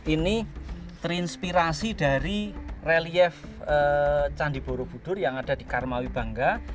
ini terinspirasi dari relief candi borobudur yang ada di karmawi bangga